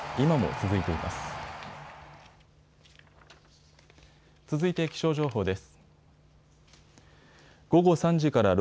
続いて気象情報です。